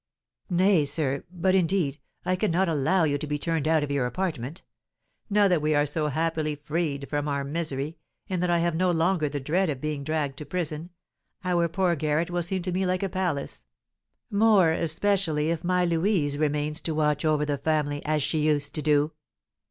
"Nay, sir, but, indeed, I cannot allow you to be turned out of your apartment! Now that we are so happily freed from our misery, and that I have no longer the dread of being dragged to prison, our poor garret will seem to me like a palace, more especially if my Louise remains to watch over the family as she used to do."